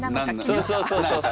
そうそうそうそう。